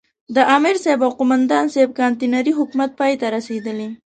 د امرصاحب او قوماندان صاحب کانتينري حکومت پای ته رسېدلی.